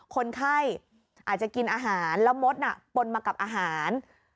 คนไข้อาจจะกินอาหารแล้วมดปนมากับอาหาร